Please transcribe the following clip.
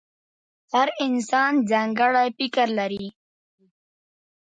• هر انسان ځانګړی فکر لري.